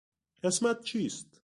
اسمت چیست؟